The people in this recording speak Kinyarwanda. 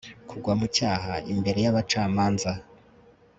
kugwa mu cyaha, imbere y'abacamanza